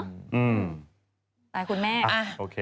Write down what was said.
แต่คุณแม่